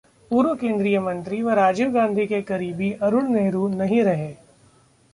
पूर्व केंद्रीय मंत्री व राजीव गांधी के करीबी अरुण नेहरू नहीं रहे